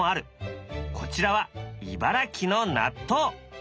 こちらは茨城の納豆。